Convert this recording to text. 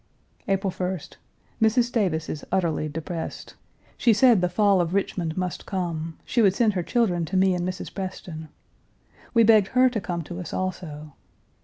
April 1st. Mrs. Davis is utterly depressed. She said Page 302 the fall of Richmond must come; she would send her children to me and Mrs. Preston. We begged her to come to us also.